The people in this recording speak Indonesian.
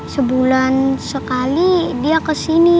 sebulan sekali dia kesini